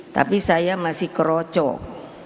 tapi saya masih kerocok